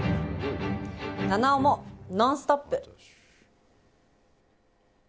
菜々緒も「ノンストップ！」。